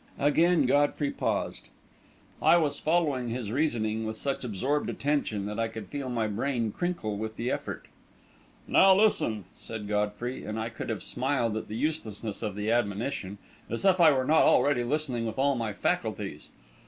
Again Godfrey paused. I was following his reasoning with such absorbed attention that I could feel my brain crinkle with the effort. "Now, listen," said Godfrey, and I could have smiled at the uselessness of the admonition as if I were not already listening with all my faculties!